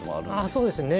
ああそうですね。